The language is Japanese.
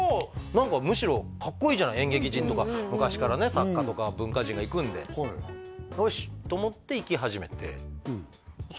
何かむしろかっこいいじゃない演劇人とか昔からね作家とか文化人が行くんでよし！と思って行き始めてそ